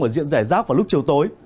ở diện rẻ rác vào lúc chiều tối